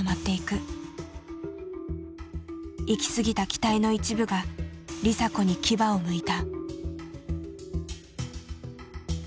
いきすぎた期待の一部が梨紗子に牙をむいた。